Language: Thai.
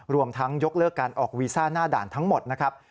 รวมทั้งยกเลิกการออกวีซ่าหน้าด่านทั้งหมดนะครับ